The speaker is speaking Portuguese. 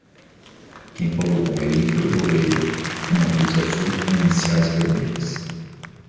Quem falou com ele foi o goleiro, uma blusa azul com iniciais vermelhas.